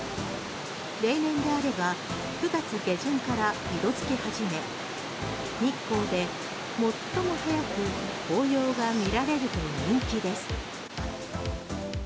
例年であれば９月下旬から色づき始め日光で最も早く紅葉が見られると人気です。